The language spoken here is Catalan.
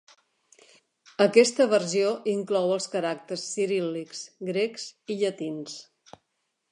Aquesta versió inclou els caràcters ciríl·lics, grecs i llatins.